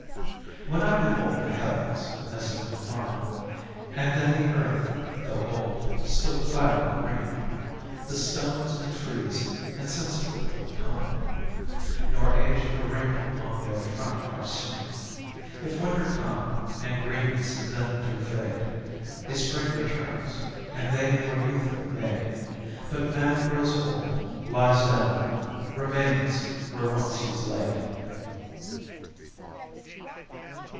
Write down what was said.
When I behold the heavens as in their prime, And then the earth (though old) still clad in green, The stones and trees, insensible of time, Nor age nor wrinkle on their front are seen; If winter come, and greenness then do fade, A spring returns, and they more youthful made; But Man grows old, lies down, remains where once he's laid.